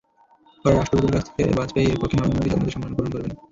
পরে রাষ্ট্রপতির কাছ থেকে বাজপেয়ির পক্ষে নরেন্দ্র মোদি স্বাধীনতা সম্মাননা গ্রহণ করবেন।